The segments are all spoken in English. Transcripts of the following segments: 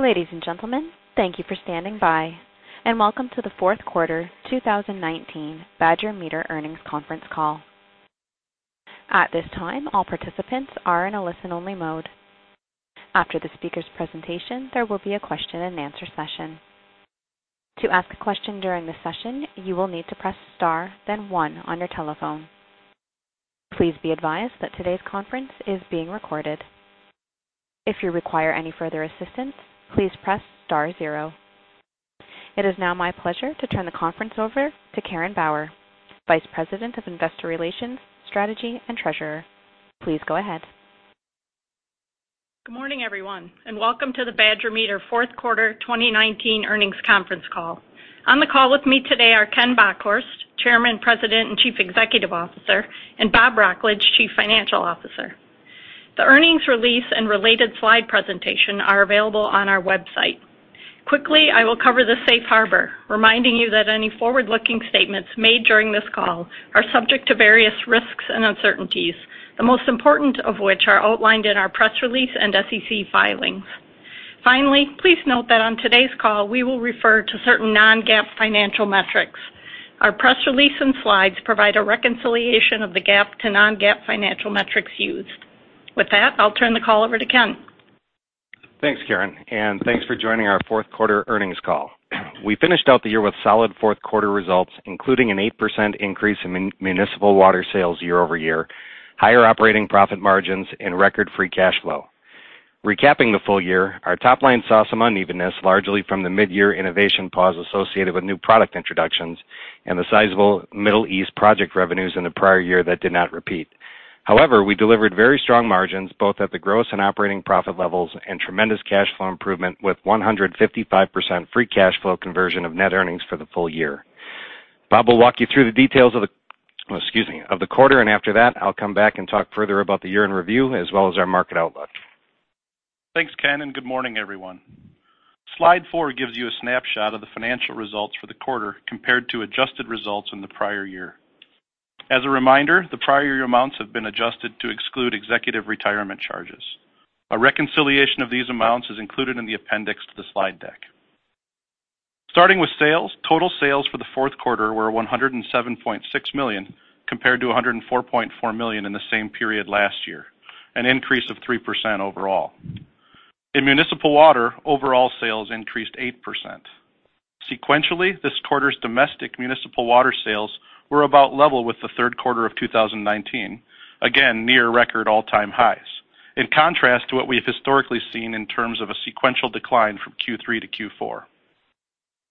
Ladies and gentlemen, thank you for standing by, and welcome to the fourth quarter 2019 Badger Meter earnings conference call. At this time, all participants are in a listen-only mode. After the speaker's presentation, there will be a question-and-answer session. To ask a question during the session, you will need to press star then one on your telephone. Please be advised that today's conference is being recorded. If you require any further assistance, please press star zero. It is now my pleasure to turn the conference over to Karen Bauer, Vice President of Investor Relations, Strategy, and Treasurer. Please go ahead. Good morning, everyone, and welcome to the Badger Meter fourth quarter 2019 earnings conference call. On the call with me today are Ken Bockhorst, Chairman, President, and Chief Executive Officer, and Bob Wrocklage, Chief Financial Officer. The earnings release and related slide presentation are available on our website. Quickly, I will cover the safe harbor, reminding you that any forward-looking statements made during this call are subject to various risks and uncertainties, the most important of which are outlined in our press release and SEC filings. Finally, please note that on today's call, we will refer to certain non-GAAP financial metrics. Our press release and slides provide a reconciliation of the GAAP to non-GAAP financial metrics used. With that, I'll turn the call over to Ken. Thanks, Karen, and thanks for joining our fourth quarter earnings call. We finished out the year with solid fourth-quarter results, including an 8% increase in municipal water sales year-over-year, higher operating profit margins, and record free cash flow. Recapping the full year, our top line saw some unevenness, largely from the mid-year innovation pause associated with new product introductions and the sizable Middle East project revenues in the prior year that did not repeat. However, we delivered very strong margins, both at the gross and operating profit levels, and tremendous cash flow improvement, with 155% free cash flow conversion of net earnings for the full year. Bob will walk you through the details of the quarter, and after that, I'll come back and talk further about the year in review, as well as our market outlook. Thanks, Ken. Good morning, everyone. Slide four gives you a snapshot of the financial results for the quarter compared to adjusted results in the prior year. As a reminder, the prior year amounts have been adjusted to exclude executive retirement charges. A reconciliation of these amounts is included in the appendix to the slide deck. Starting with sales, total sales for the fourth quarter were $107.6 million, compared to $104.4 million in the same period last year, an increase of 3% overall. In municipal water, overall sales increased 8%. Sequentially, this quarter's domestic municipal water sales were about level with the third quarter of 2019, again, near record all-time highs. In contrast to what we have historically seen in terms of a sequential decline from Q3 to Q4.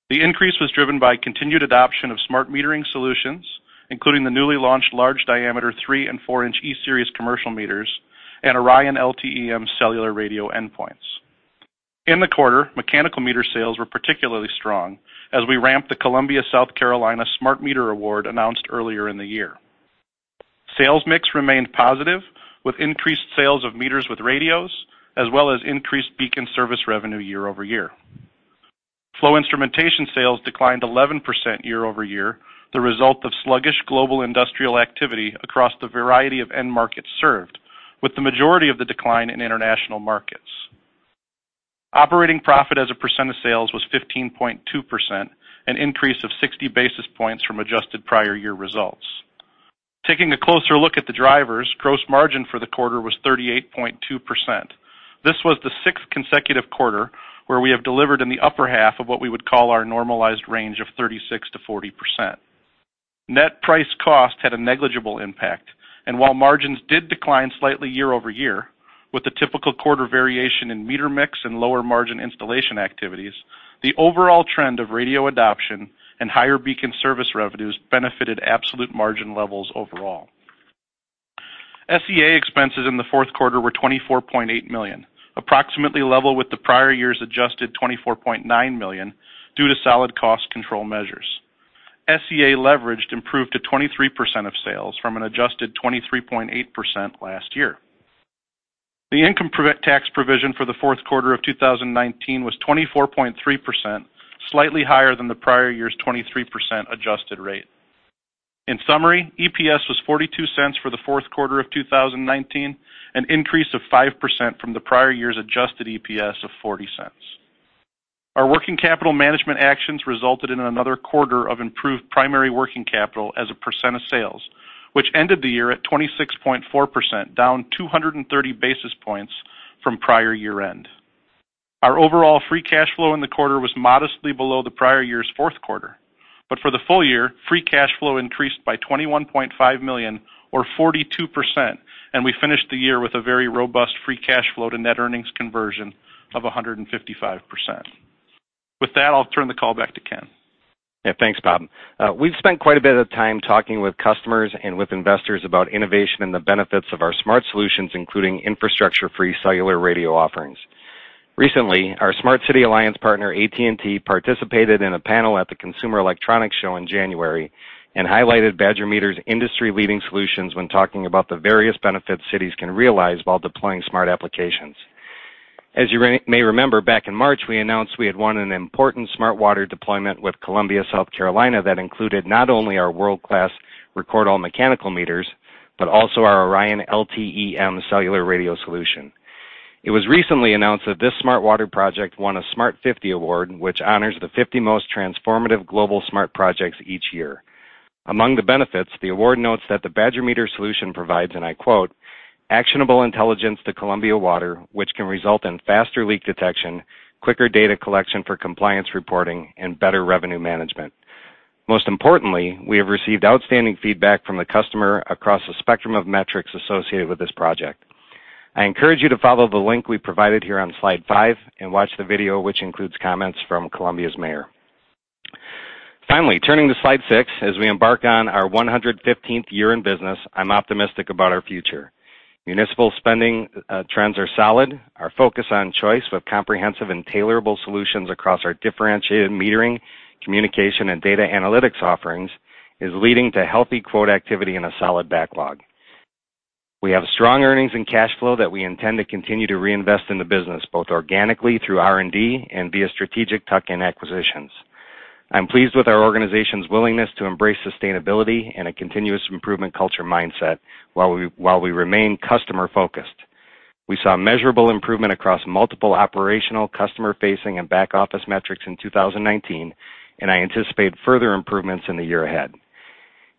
The increase was driven by continued adoption of smart metering solutions, including the newly launched large diameter 3-inch and 4-inch E-Series commercial meters and ORION LTE-M Cellular radio endpoints. In the quarter, mechanical meter sales were particularly strong as we ramped the Columbia, South Carolina Smart Meter Award announced earlier in the year. Sales mix remained positive with increased sales of meters with radios, as well as increased BEACON service revenue year-over-year. Flow instrumentation sales declined 11% year-over-year, the result of sluggish global industrial activity across the variety of end markets served, with the majority of the decline in international markets. Operating profit as a percent of sales was 15.2%, an increase of 60 basis points from adjusted prior year results. Taking a closer look at the drivers, gross margin for the quarter was 38.2%. This was the sixth consecutive quarter where we have delivered in the upper half of what we would call our normalized range of 36%-40%. Net price cost had a negligible impact, and while margins did decline slightly year-over-year with the typical quarter variation in meter mix and lower margin installation activities, the overall trend of radio adoption and higher BEACON service revenues benefited absolute margin levels overall. SEA expenses in the fourth quarter were $24.8 million, approximately level with the prior year's adjusted $24.9 million due to solid cost control measures. SEA leveraged improved to 23% of sales from an adjusted 23.8% last year. The income tax provision for the fourth quarter of 2019 was 24.3%, slightly higher than the prior year's 23% adjusted rate. In summary, EPS was $0.42 for the fourth quarter of 2019, an increase of 5% from the prior year's adjusted EPS of $0.40. Our working capital management actions resulted in another quarter of improved primary working capital as a percent of sales, which ended the year at 26.4%, down 230 basis points from prior year-end. Our overall free cash flow in the quarter was modestly below the prior year's fourth quarter. For the full year, free cash flow increased by $21.5 million or 42%, and we finished the year with a very robust free cash flow to net earnings conversion of 155%. With that, I'll turn the call back to Ken. Yeah. Thanks, Bob. We've spent quite a bit of time talking with customers and with investors about innovation and the benefits of our smart solutions, including infrastructure free cellular radio offerings. Recently, our Smart City Alliance partner, AT&T, participated in a panel at the Consumer Electronics Show in January and highlighted Badger Meter's industry-leading solutions when talking about the various benefits cities can realize while deploying smart applications. As you may remember, back in March, we announced we had won an important smart water deployment with Columbia, South Carolina, that included not only our world-class record on mechanical meters but also our ORION LTE-M Cellular radio solution. It was recently announced that this smart water project won a Smart 50 Award, which honors the 50 most transformative global smart projects each year. Among the benefits, the award notes that the Badger Meter solution provides, and I quote, "Actionable intelligence to Columbia Water, which can result in faster leak detection, quicker data collection for compliance reporting, and better revenue management." Most importantly, we have received outstanding feedback from the customer across the spectrum of metrics associated with this project. I encourage you to follow the link we've provided here on slide five and watch the video, which includes comments from Columbia's mayor. Finally, turning to slide six, as we embark on our 115th year in business, I'm optimistic about our future. Municipal spending trends are solid. Our focus on choice with comprehensive and tailorable solutions across our differentiated metering, communication, and data analytics offerings is leading to healthy quote activity and a solid backlog. We have strong earnings and cash flow that we intend to continue to reinvest in the business, both organically through R&D and via strategic tuck-in acquisitions. I'm pleased with our organization's willingness to embrace sustainability and a continuous improvement culture mindset while we remain customer-focused. We saw measurable improvement across multiple operational, customer-facing, and back-office metrics in 2019, and I anticipate further improvements in the year ahead.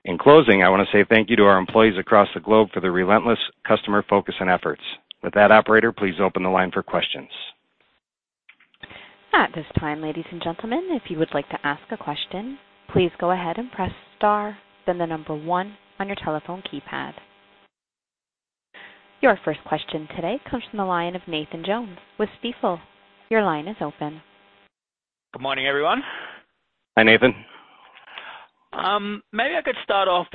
In closing, I want to say thank you to our employees across the globe for their relentless customer focus and efforts. With that, operator, please open the line for questions. At this time, ladies and gentlemen, if you would like to ask a question, please go ahead and press star, then the number one on your telephone keypad. Your first question today comes from the line of Nathan Jones with Stifel. Your line is open. Good morning, everyone. Hi, Nathan. Maybe I could start off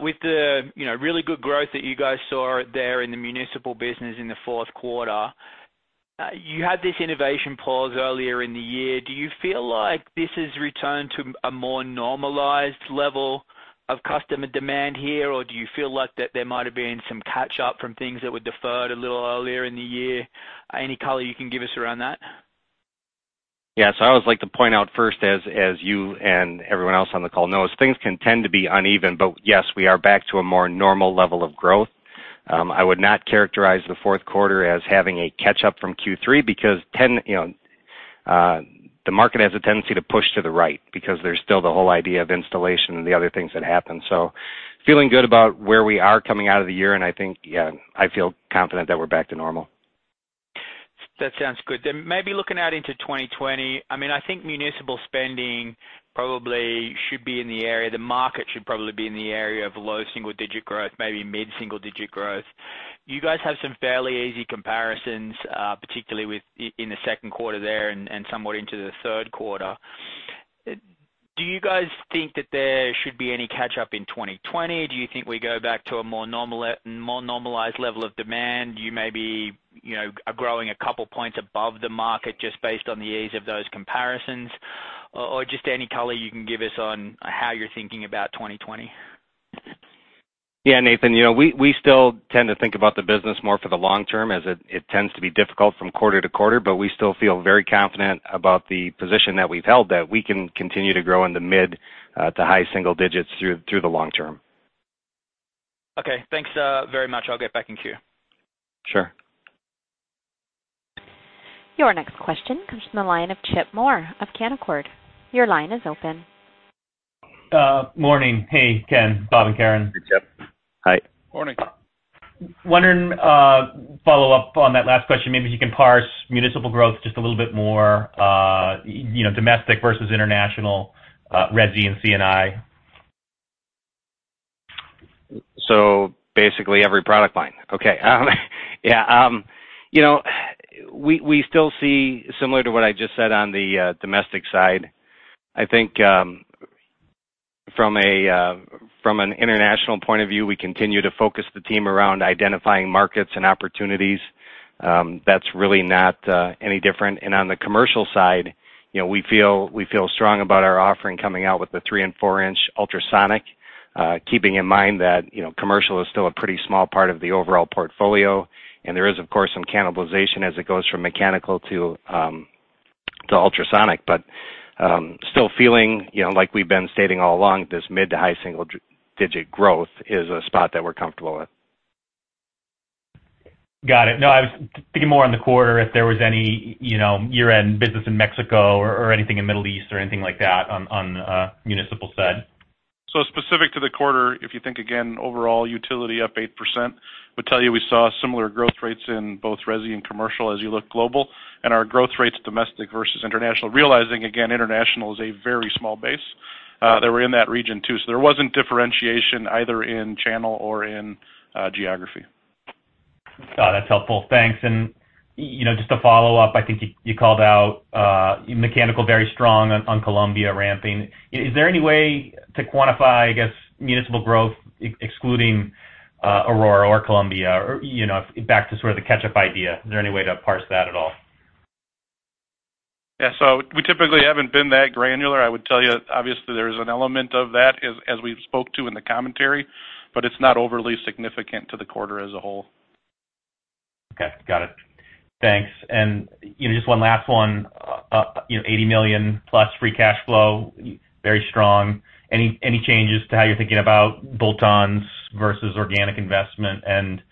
with the really good growth that you guys saw there in the municipal business in the fourth quarter. You had this innovation pause earlier in the year. Do you feel like this has returned to a more normalized level of customer demand here? Do you feel like that there might have been some catch-up from things that were deferred a little earlier in the year? Any color you can give us around that? I always like to point out first, as you and everyone else on the call know, things can tend to be uneven. Yes, we are back to a more normal level of growth. I would not characterize the fourth quarter as having a catch-up from Q3 because the market has a tendency to push to the right because there's still the whole idea of installation and the other things that happen. Feeling good about where we are coming out of the year, and I think I feel confident that we're back to normal. That sounds good. Maybe looking out into 2020, I think municipal spending probably should be in the area-- The market should probably be in the area of low single-digit growth, maybe mid-single digit growth. You guys have some fairly easy comparisons, particularly in the second quarter there and somewhat into the third quarter. Do you guys think that there should be any catch-up in 2020? Do you think we go back to a more normalized level of demand? You maybe are growing a couple of points above the market just based on the ease of those comparisons? Just any color you can give us on how you're thinking about 2020. Yeah, Nathan, we still tend to think about the business more for the long term as it tends to be difficult from quarter to quarter, but we still feel very confident about the position that we've held that we can continue to grow in the mid- to high single digits through the long term. Okay, thanks very much. I'll get back in queue. Sure. Your next question comes from the line of Chip Moore of Canaccord. Your line is open. Morning. Hey, Ken, Bob, and Karen. Hey, Chip. Hi. Morning. Wondering, follow up on that last question. Maybe if you can parse municipal growth just a little bit more, domestic versus international, resi and C&I. Basically, every product line. Okay. Yeah. We still see similar to what I just said on the domestic side. I think from an international point of view, we continue to focus the team around identifying markets and opportunities. That's really not any different. On the commercial side, we feel strong about our offering coming out with the 3-inch and 4-inch ultrasonic. Keeping in mind that commercial is still a pretty small part of the overall portfolio, and there is, of course, some cannibalization as it goes from mechanical to ultrasonic. Still feeling like we've been stating all along, this mid to high single-digit growth is a spot that we're comfortable with. Got it. No, I was thinking more on the quarter if there was any year-end business in Mexico or anything in Middle East or anything like that on the municipal side. Specific to the quarter, if you think again, overall utility up 8%, would tell you we saw similar growth rates in both resi and commercial as you look global, and our growth rates domestic versus international. Realizing, again, international is a very small base. They were in that region, too. There wasn't any differentiation either in channel or in geography. Got it. That's helpful. Thanks. Just to follow up, I think you called out mechanical very strong on Columbia ramping. Is there any way to quantify, I guess, municipal growth excluding Aurora or Columbia, back to sort of the catch-up idea? Is there any way to parse that at all? We typically haven't been that granular. I would tell you, obviously, there's an element of that as we spoke to in the commentary, but it's not overly significant to the quarter as a whole. Okay, got it. Thanks. Just one last one. $80 million+ free cash flow, very strong. Any changes to how you're thinking about bolt-ons versus organic investment, and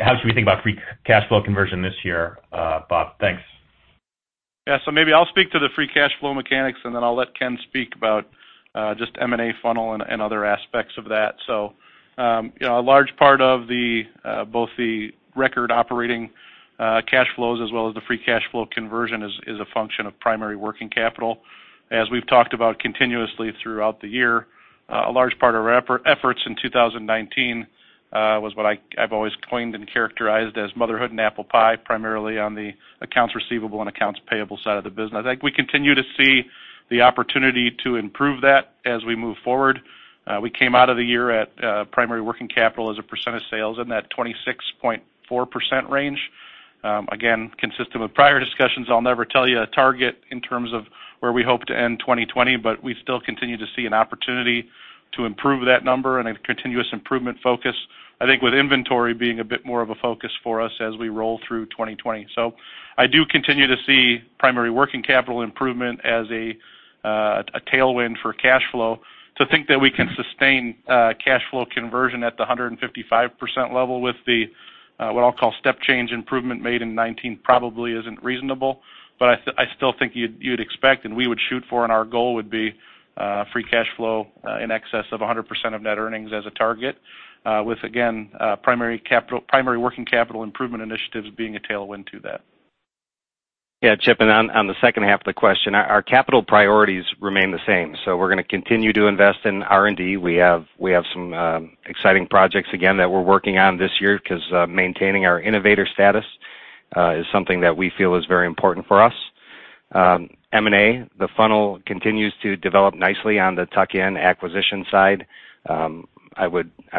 how should we think about free cash flow conversion this year, Bob? Thanks. Yeah. Maybe I'll speak to the free cash flow mechanics, and then I'll let Ken speak about just M&A funnel and other aspects of that. A large part of both the record operating cash flows as well as the free cash flow conversion is a function of primary working capital. As we've talked about continuously throughout the year, a large part of our efforts in 2019, was what I've always claimed and characterized as motherhood and apple pie, primarily on the accounts receivable and accounts payable side of the business. I think we continue to see the opportunity to improve that as we move forward. We came out of the year at primary working capital as a percent of sales in that 26.4% range. Consistent with prior discussions, I'll never tell you a target in terms of where we hope to end 2020, but we still continue to see an opportunity to improve that number and a continuous improvement focus. I think with inventory being a bit more of a focus for us as we roll through 2020. I do continue to see primary working capital improvement as a tailwind for cash flow. To think that we can sustain cash flow conversion at the 155% level with the, what I'll call, step change improvement made in 2019, probably isn't reasonable, but I still think you'd expect, and we would shoot for, and our goal would be, free cash flow in excess of 100% of net earnings as a target. With, again, primary working capital improvement initiatives being a tailwind to that. Yeah, Chip, on the second half of the question, our capital priorities remain the same. We're going to continue to invest in R&D. We have some exciting projects again that we're working on this year because maintaining our innovator status is something that we feel is very important for us. M&A, the funnel continues to develop nicely on the tuck-in acquisition side. I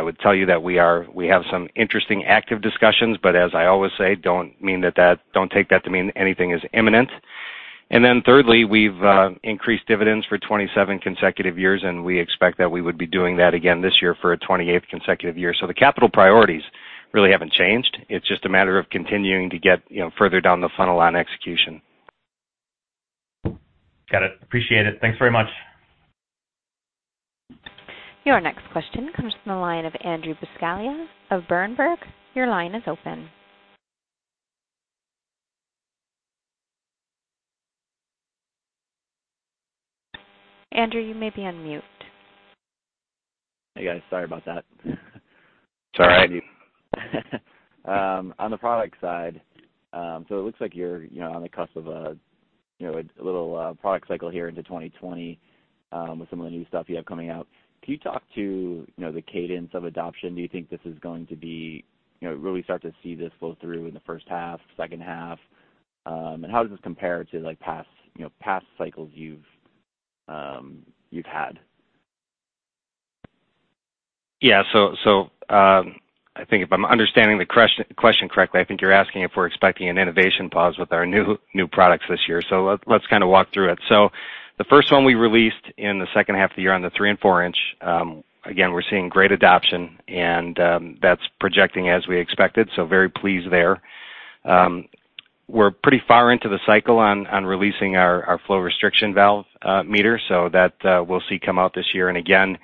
would tell you that we have some interesting active discussions, but as I always say, don't take that to mean anything is imminent. Thirdly, we've increased dividends for 27 consecutive years, and we expect that we would be doing that again this year for a 28th consecutive year. The capital priorities really haven't changed. It's just a matter of continuing to get further down the funnel on execution. Got it. Appreciate it. Thanks very much. Your next question comes from the line of Andrew Buscaglia of Berenberg. Your line is open. Andrew, you may be on mute. Hey, guys. Sorry about that. It's all right. On the product side, it looks like you're on the cusp of a little product cycle here into 2020 with some of the new stuff you have coming out. Can you talk to the cadence of adoption? Do you think this is going to be, really start to see this flow through in the first half, second half? How does this compare to past cycles you've had? I think if I'm understanding the question correctly, I think you're asking if we're expecting an innovation pause with our new products this year. Let's kind of walk through it. The first one we released in the second half of the year on the 3-inch and 4-inch, again, we're seeing great adoption, and that's projecting as we expected, so very pleased there. We're pretty far into the cycle on releasing our flow restriction valve meter, so that we'll see come out this year. Again,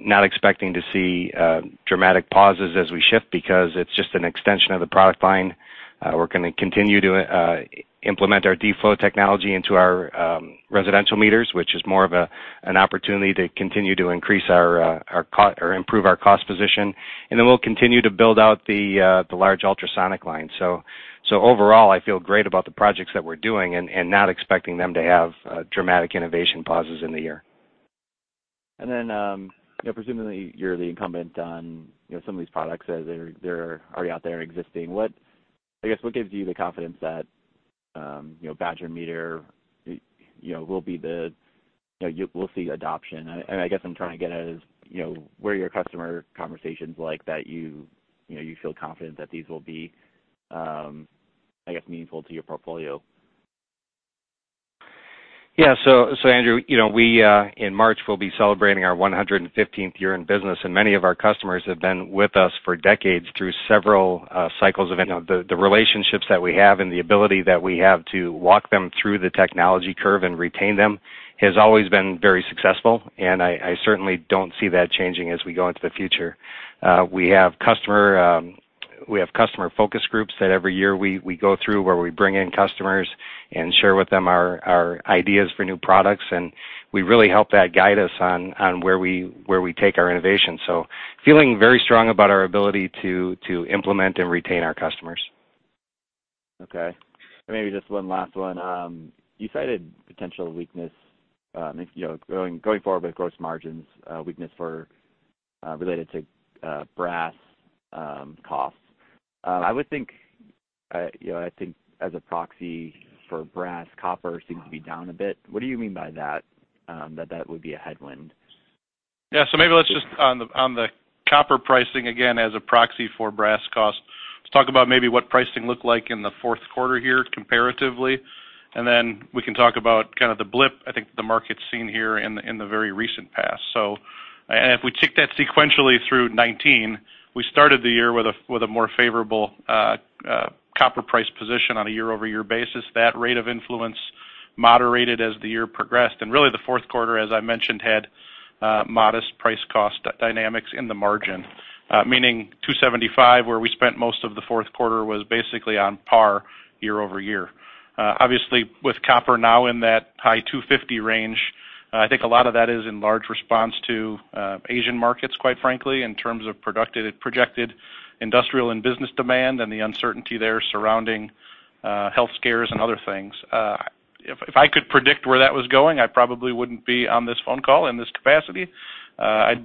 not expecting to see dramatic pauses as we shift because it's just an extension of the product line. We're going to continue to implement our D-Flow technology into our residential meters, which is more of an opportunity to continue to improve our cost position. Then we'll continue to build out the large ultrasonic line. Overall, I feel great about the projects that we're doing and not expecting them to have dramatic innovation pauses in the year. Presumably, you're the incumbent on some of these products as they're already out there, existing. I guess what gives you the confidence that Badger Meter will see adoption? I guess I'm trying to get at is, where are your customer conversations like that you feel confident that these will be, I guess, meaningful to your portfolio? Andrew, in March, we'll be celebrating our 115th year in business. Many of our customers have been with us for decades through several cycles of the relationships that we have and the ability that we have to walk them through the technology curve and retain them has always been very successful. I certainly don't see that changing as we go into the future. We have customer focus groups that every year we go through where we bring in customers and share with them our ideas for new products. We really help that guide us on where we take our innovation. Feeling very strong about our ability to implement and retain our customers. Okay. Maybe just one last one. You cited a potential weakness, going forward with gross margins, weakness related to brass costs. I think, as a proxy for brass, copper seems to be down a bit. What do you mean by that? That would be a headwind? Yeah, maybe let's just on the copper pricing, again, as a proxy for brass cost. Let's talk about maybe what pricing looked like in the fourth quarter here comparatively, then we can talk about kind of the blip I think the market's seen here in the very recent past. If we take that sequentially through 2019, we started the year with a more favorable copper price position on a year-over-year basis. That rate of influence moderated as the year progressed, really the fourth quarter, as I mentioned, had modest price cost dynamics in the margin. Meaning, $2.75, where we spent most of the fourth quarter, was basically on par year-over-year. Obviously, with copper now in that high $2.50 range, I think a lot of that is in large response to Asian markets, quite frankly, in terms of projected industrial and business demand and the uncertainty there surrounding health scares and other things. If I could predict where that was going, I probably wouldn't be on this phone call in this capacity. I'd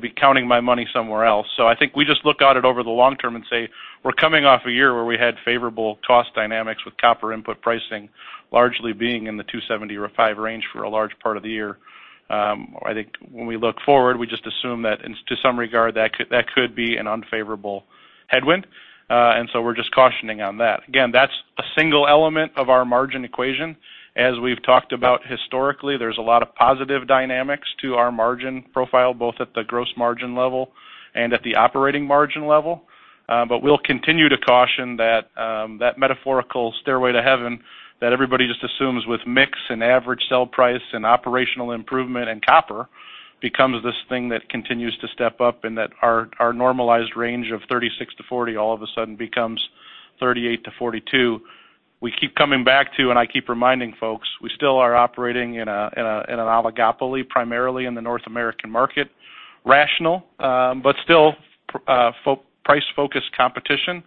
be counting my money somewhere else. I think we just look at it over the long term and say we're coming off a year where we had favorable cost dynamics with copper input pricing largely being in the $2.75 range for a large part of the year. I think when we look forward, we just assume that to some regard that could be an unfavorable headwind. So, we're just cautioning on that. Again, that's a single element of our margin equation. As we've talked about historically, there's a lot of positive dynamics to our margin profile, both at the gross margin level and at the operating margin level. We'll continue to caution that metaphorical stairway to heaven that everybody just assumes with mix and average sell price and operational improvement in copper becomes this thing that continues to step up, and that our normalized range of 36%-40% all of a sudden becomes 38%-42%. We keep coming back to, and I keep reminding folks, we still are operating in an oligopoly, primarily in the North American market, rational, but still, price-focused competition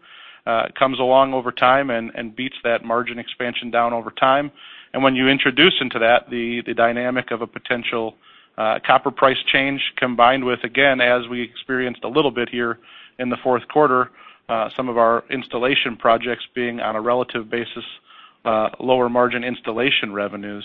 comes along over time and beats that margin expansion down over time. When you introduce into that the dynamic of a potential copper price change, combined with, again, as we experienced a little bit here in the fourth quarter, some of our installation projects being on a relative basis lower margin installation revenue.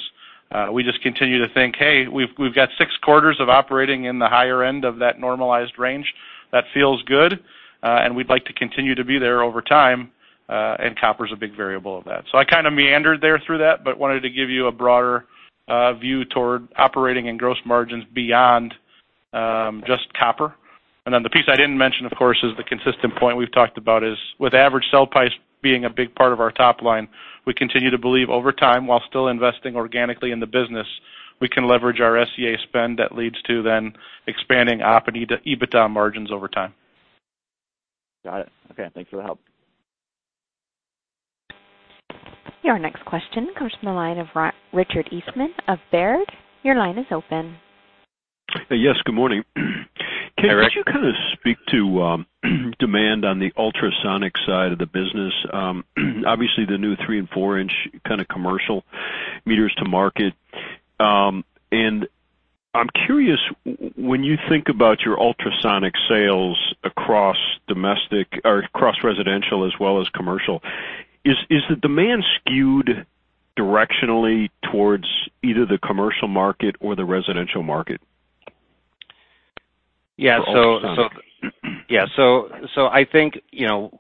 We just continue to think, hey, we've got six quarters of operating in the higher end of that normalized range. That feels good, and we'd like to continue to be there over time, and copper is a big variable of that. I kind of meandered there through that but I wanted to give you a broader view toward operating and gross margins beyond just copper. The piece I didn't mention, of course, is the consistent point we've talked about is with average sell price being a big part of our top line, we continue to believe over time, while still investing organically in the business, we can leverage our SEA spend that leads to then expanding op and EBITDA margins over time. Got it. Okay. Thanks for the help. Your next question comes from the line of Richard Eastman of Baird. Your line is open. Yes, good morning. Hi, Rick. Can you kind of speak to demand on the ultrasonic side of the business? The new 3-inch and 4-inch kind of commercial meters to market. I'm curious, when you think about your ultrasonic sales across domestic or across residential as well as commercial, is the demand skewed directionally towards either the commercial market or the residential market? Yeah. I think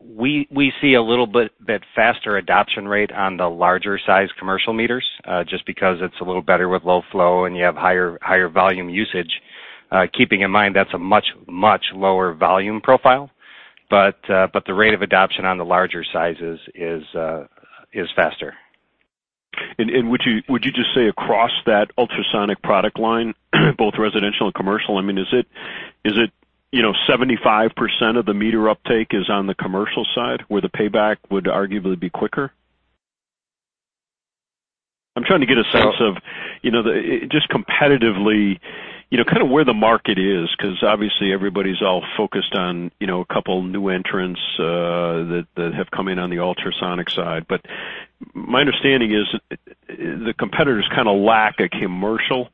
we see a little bit faster adoption rate on the larger size commercial meters, just because it's a little better with low flow, and you have higher volume usage. Keeping in mind that's a much, much lower volume profile. The rate of adoption on the larger sizes is faster. Would you just say across that ultrasonic product line, both residential and commercial, is it 75% of the meter uptake is on the commercial side, where the payback would arguably be quicker? I'm trying to get a sense of just competitively where the market is because obviously everybody's all focused on a couple of new entrants that have come in on the ultrasonic side. My understanding is the competitor's kind of lack a commercial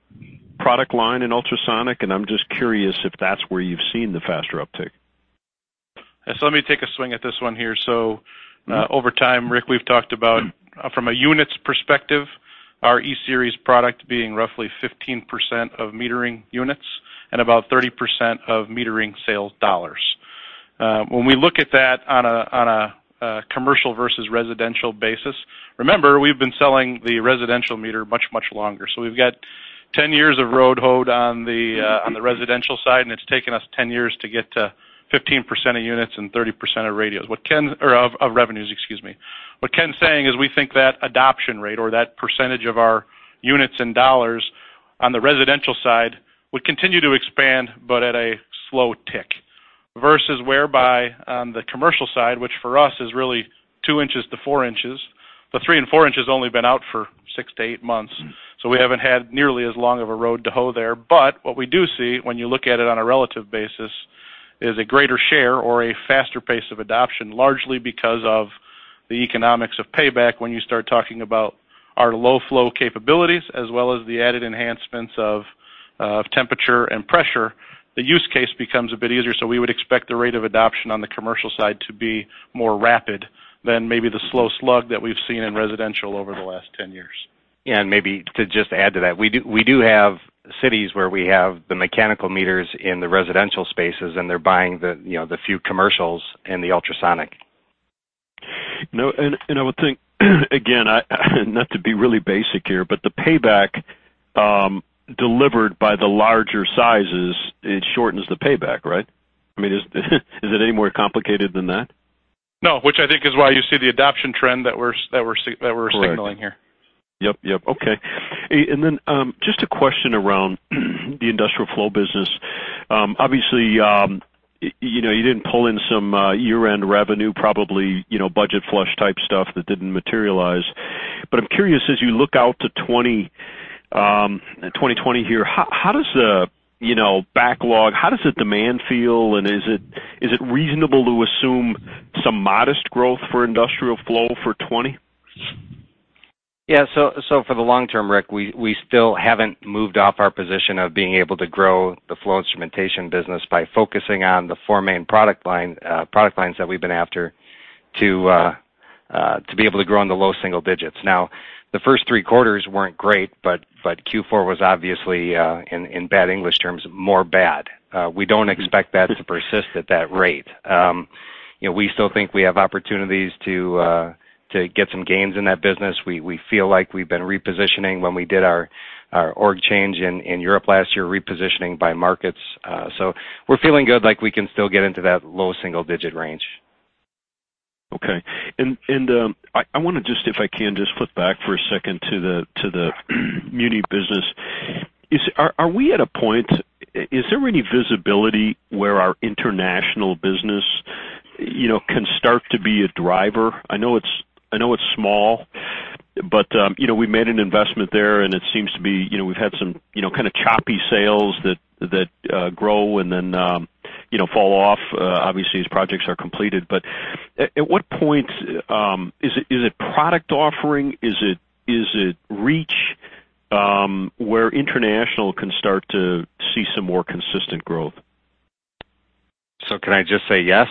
product line in ultrasonic, and I'm just curious if that's where you've seen the faster uptake. Let me take a swing at this one here. Over time, Rick, we've talked about from a units perspective, our E-Series product being roughly 15% of metering units and about 30% of metering sales dollars. When we look at that on a commercial versus residential basis, remember, we've been selling the residential meter much, much longer. We've got 10 years of road hold on the residential side, and it's taken us 10 years to get to 15% of units and 30% of radios. Or of revenues, excuse me. What Ken's saying is we think that adoption rate or that percentage of our units and dollars on the residential side would continue to expand, but at a slow tick. Versus whereby, on the commercial side, which for us is really 2 inches to 4 inches, the 3 inches and 4 inches only been out for six to eight months. We haven't had nearly as long of a road to hoe there. What we do see when you look at it on a relative basis is a greater share or a faster pace of adoption, largely because of the economics of payback when you start talking about our low flow capabilities as well as the added enhancements of temperature and pressure. The use case becomes a bit easier. We would expect the rate of adoption on the commercial side to be more rapid than maybe the slow slug that we've seen in residential over the last 10 years. Maybe to just add to that. We do have cities where we have the mechanical meters in the residential spaces, and they're buying the few commercials and the ultrasonic. I would think again, not to be really basic here, but the payback delivered by the larger sizes, it shortens the payback, right? Is it any more complicated than that? No, which I think is why you see the adoption trend that we're signaling here. Correct. Yep. Okay. Just a question around the industrial flow business. Obviously, you didn't pull in some year-end revenue, probably budget flush type stuff that didn't materialize. I'm curious, as you look out to 2020 here, how does the backlog, how does the demand feel, and is it reasonable to assume some modest growth for industrial flow for 2020? Yeah. For the long term, Rick, we still haven't moved off our position of being able to grow the flow instrumentation business by focusing on the four main product lines that we've been after to be able to grow in the low single digits. The first three quarters weren't great, Q4 was obviously, in bad English terms, more bad. We don't expect that to persist at that rate. We still think we have opportunities to get some gains in that business. We feel like we've been repositioning when we did our org change in Europe last year, repositioning by markets. We're feeling good, like we can still get into that low single-digit range. Okay. I want to just, if I can, just flip back for a second to the muni business. Are we at a point, is there any visibility where our international business can start to be a driver? I know it's small, but we made an investment there, and it seems to be we've had some kind of choppy sales that grow and then fall off, obviously, as projects are completed. At what point, is it a product offering? Is it reach where international can start to see some more consistent growth? Can I just say yes?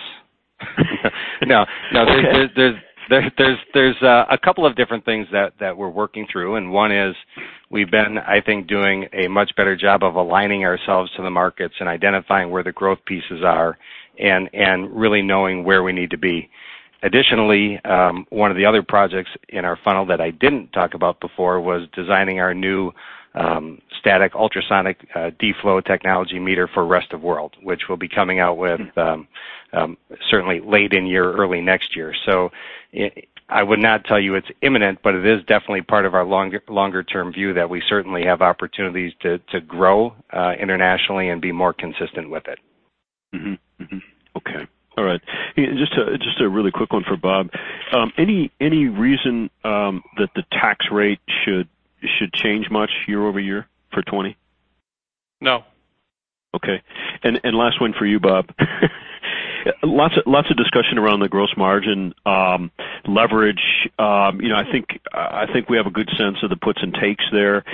No. Okay. There's a couple of different things that we're working through, and one is we've been, I think, doing a much better job of aligning ourselves to the markets and identifying where the growth pieces are and really knowing where we need to be. Additionally, one of the other projects in our funnel that I didn't talk about before was designing our new static ultrasonic D-Flow technology meter for rest of world, which we'll be coming out with certainly late in the year, early next year. I would not tell you it's imminent, but it is definitely part of our longer-term view that we certainly have opportunities to grow internationally and be more consistent with it. Okay. All right. Just a really quick one for Bob. Any reason that the tax rate should change much year-over-year for 2020? No. Okay. Last one for you, Bob. Lots of discussion around the gross margin leverage. I think we have a good sense of the puts and takes there.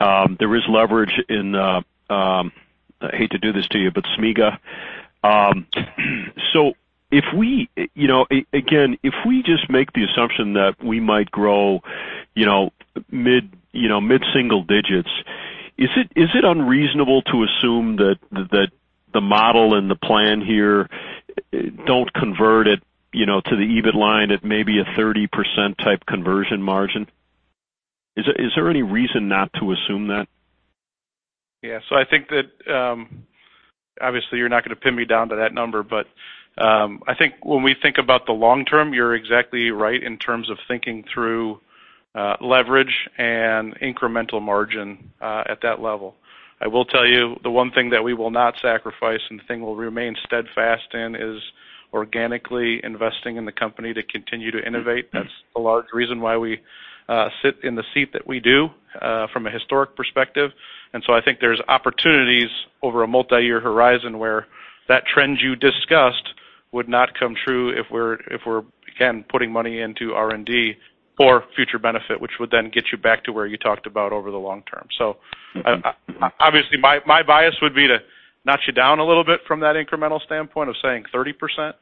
There is leverage in, I hate to do this to you, but SG&A. If we just make the assumption that we might grow mid-single digits, is it unreasonable to assume that the model and the plan here don't convert it to the EBIT line at maybe a 30% type conversion margin? Is there any reason not to assume that? I think that, obviously, you're not going to pin me down to that number, but I think when we think about the long term, you're exactly right in terms of thinking through leverage and incremental margin at that level. I will tell you, the one thing that we will not sacrifice and the thing we'll remain steadfast in is organically investing in the company to continue to innovate. That's a large reason why we sit in the seat that we do from a historic perspective. I think there's opportunities over a multi-year horizon where that trend you discussed would not come true if we're, again, putting money into R&D for future benefit, which would then get you back to where you talked about over the long term. Obviously, my bias would be to notch you down a little bit from that incremental standpoint of saying 30%.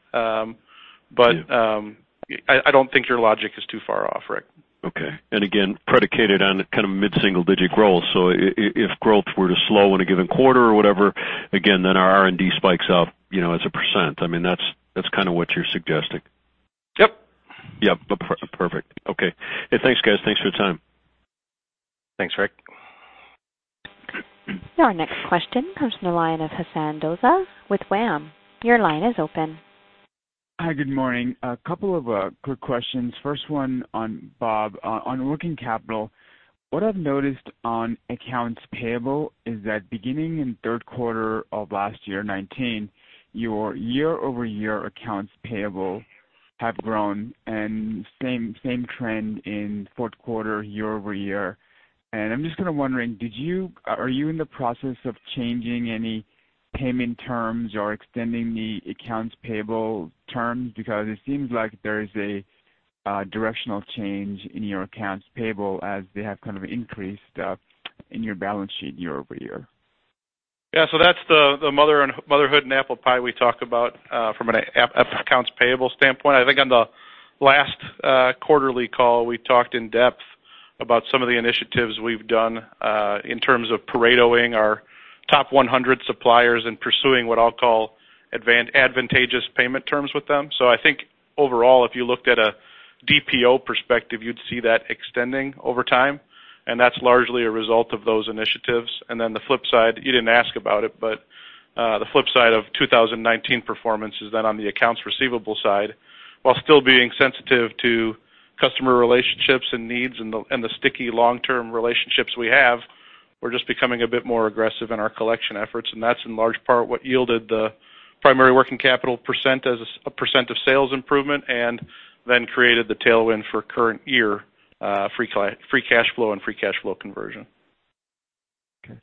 I don't think your logic is too far off, Rick. Okay. Again, predicated on kind of mid single-digit growth. If growth were to slow in a given quarter or whatever, again, then our R&D spikes up as a percent. That's kind of what you're suggesting. Yep. Yep. Perfect. Okay. Thanks, guys. Thanks for your time. Thanks, Rick. Your next question comes from the line of Hasan Doza with WAM. Your line is open. Hi, good morning. A couple of quick questions. First one on Bob, on working capital. What I've noticed on accounts payable is that beginning in third quarter of last year, 2019, your year-over-year accounts payable have grown, and the same trend in fourth quarter year-over-year. I'm just kind of wondering, are you in the process of changing any payment terms or extending the accounts payable terms? It seems like there is a directional change in your accounts payable as they have kind of increased in your balance sheet year-over-year. That's the motherhood and apple pie we talk about from an accounts payable standpoint. I think on the last quarterly call, we talked in depth about some of the initiatives we've done in terms of Paretoing our top 100 suppliers and pursuing what I'll call advantageous payment terms with them. I think overall, if you looked at a DPO perspective, you'd see that extending over time, and that's largely a result of those initiatives. The flip side, you didn't ask about it, but the flip side of 2019 performance is that on the accounts receivable side, while still being sensitive to customer relationships and needs and the sticky long-term relationships we have, we're just becoming a bit more aggressive in our collection efforts. That's in large part what yielded the primary working capital percent as a percent of sales improvement and then created the tailwind for current year free cash flow and free cash flow conversion. Okay.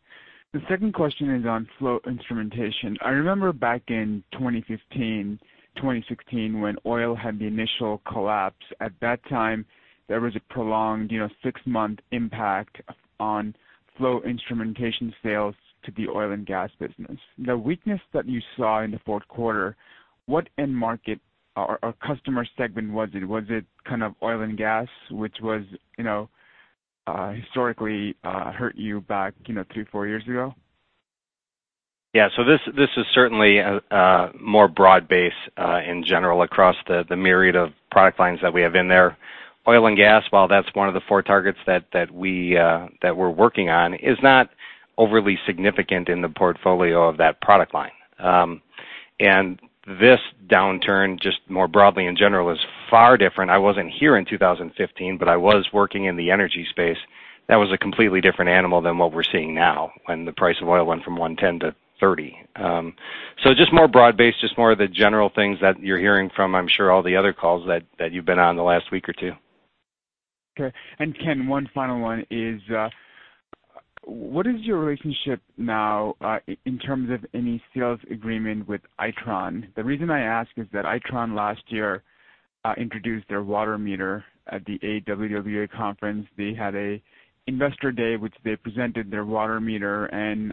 The second question is on flow instrumentation. I remember back in 2015, 2016, when oil had the initial collapse. At that time, there was a prolonged six-month impact on flow instrumentation sales to the oil and gas business. The weakness that you saw in the fourth quarter, what end market or customer segment was it? Was it kind of oil and gas, which historically hurt you back three, four years ago? Yeah. This is certainly more broad-based in general across the myriad of product lines that we have in there. Oil and gas, while that's one of the four targets that we're working on, is not overly significant in the portfolio of that product line. This downturn, just more broadly in general, is far different. I wasn't here in 2015, but I was working in the energy space. That was a completely different animal than what we're seeing now, when the price of oil went from 110 to 30. Just more broad-based, just more of the general things that you're hearing from, I'm sure, all the other calls that you've been on in the last week or two. Okay. Ken, one final one is, what is your relationship now in terms of any sales agreement with Itron? The reason I ask is that Itron last year introduced their water meter at the AWWA conference. They had a investor day, which they presented their water meter, and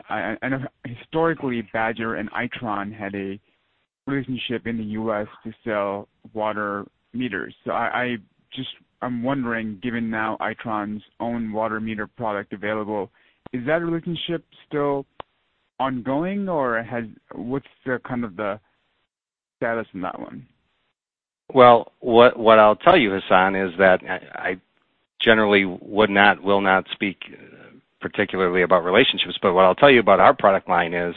historically, Badger and Itron had a relationship in the U.S. to sell water meters. I'm wondering, given now Itron's own water meter product available, is that relationship still ongoing, or what's the status on that one? Well, what I'll tell you, Hasan, is that I generally will not speak particularly about relationships. What I'll tell you about our product line is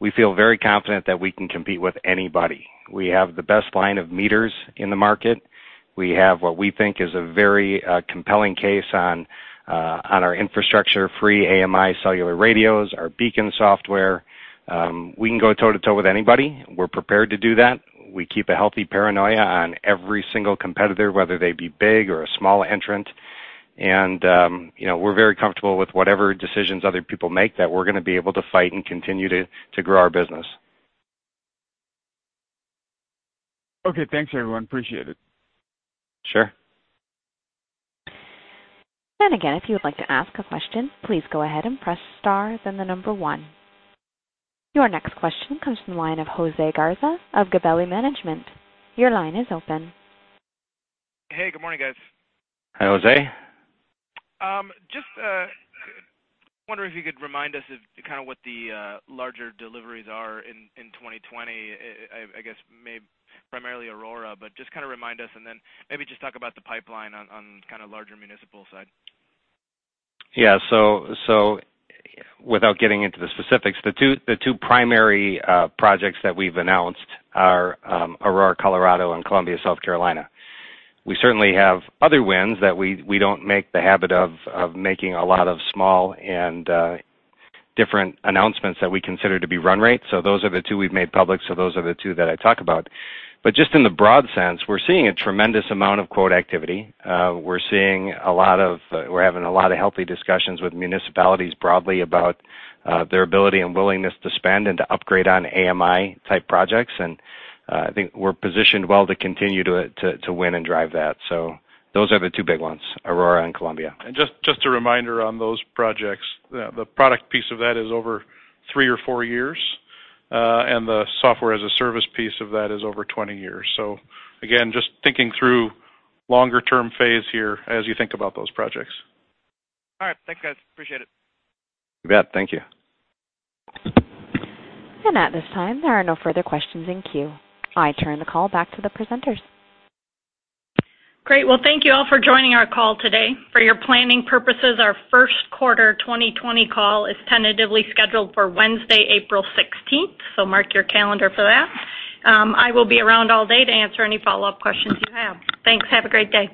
we feel very confident that we can compete with anybody. We have the best line of meters in the market. We have what we think is a very compelling case on our infrastructure, free AMI Cellular radios, our BEACON software. We can go toe to toe with anybody. We're prepared to do that. We keep a healthy paranoia on every single competitor, whether they be big or a small entrant, and we're very comfortable with whatever decisions other people make, that we're going to be able to fight and continue to grow our business. Okay, thanks, everyone. Appreciate it. Sure. Again, if you would like to ask a question, please go ahead and press star, then one. Your next question comes from the line of Jose Garza of Gabelli Management. Your line is open. Hey, good morning, guys. Hi, Jose. Just wondering if you could remind us of kind of what the larger deliveries are in 2020, I guess maybe primarily Aurora, but just kind of remind us, and then maybe just talk about the pipeline on kind of larger municipal side. Yeah. Without getting into the specifics, the two primary projects that we've announced are Aurora, Colorado, and Columbia, South Carolina. We certainly have other wins that we don't make the habit of making a lot of small and different announcements that we consider to be run rate. Those are the two we've made public, so those are the two that I talk about. Just in the broad sense, we're seeing a tremendous amount of quote activity. We're having a lot of healthy discussions with municipalities broadly about their ability and willingness to spend and to upgrade on AMI-type projects. I think we're positioned well to continue to win and drive that. Those are the two big ones, Aurora and Columbia. Just a reminder on those projects, the product piece of that is over three or four years, and the software-as-a-service piece of that is over 20 years. Again, just thinking through the longer-term phase here as you think about those projects. All right. Thanks, guys. Appreciate it. You bet. Thank you. At this time, there are no further questions in queue. I turn the call back to the presenters. Great. Well, thank you all for joining our call today. For your planning purposes, our first quarter 2020 call is tentatively scheduled for Wednesday, April 16th. Mark your calendar for that. I will be around all day to answer any follow-up questions you have. Thanks. Have a great day.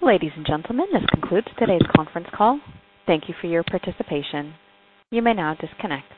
Ladies and gentlemen, this concludes today's conference call. Thank you for your participation. You may now disconnect.